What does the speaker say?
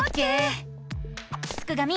すくがミ